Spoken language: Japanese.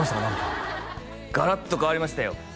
何かガラッと変わりましたよ